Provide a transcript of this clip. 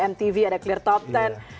ada mtv ada clear top ten